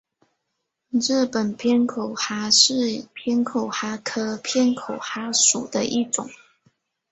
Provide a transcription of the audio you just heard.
日本偏口蛤是偏口蛤科偏口蛤属的一种。